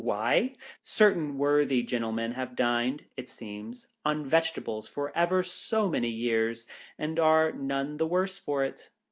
Why ? Certain worthy gentle men have dined, it seems, on vegetables for ever so many years, and are none the worse for it.